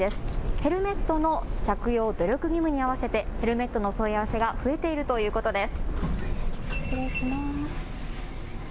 ヘルメットの着用努力義務に合わせてヘルメットの問い合わせが増えているということです。